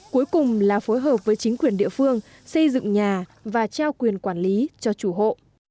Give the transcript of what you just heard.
cuối cùng là phối hợp với chính quyền địa phương xây dựng nhà và trao quyền quản lý cho chủ hộ